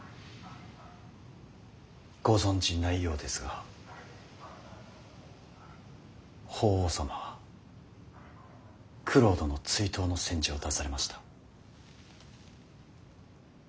ご存じないようですが法皇様は九郎殿追討の宣旨を出されました。